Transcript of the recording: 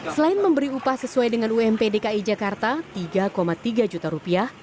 selain memberi upah sesuai dengan ump dki jakarta tiga tiga juta rupiah